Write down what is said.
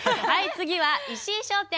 次は石井商店。